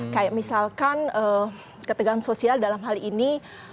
kayak misalkan ketegangan sosial dalam hal ini